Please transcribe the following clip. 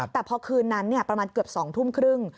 แต่พอคืนนั้นประมาณเกือบ๒ทุ่มครึ่ง